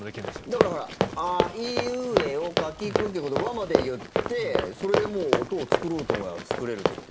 だから、ほらあいうえお、かきくけこでわまで言ってそれでもう、音を作ろうと思えば作れるっつって。